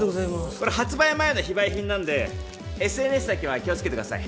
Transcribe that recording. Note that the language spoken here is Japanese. これ発売前の非売品なんでＳＮＳだけは気をつけてください。